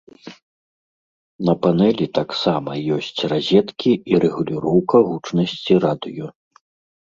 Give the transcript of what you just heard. На панэлі таксама ёсць разеткі і рэгуліроўка гучнасці радыё.